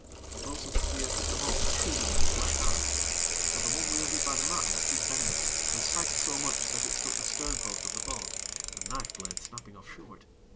The bo'sun's spear took the monster truly in its left eye; but the one wielded by the man was too bendable, and sagged so much that it struck the stern post of the boat, the knife blade snapping off short.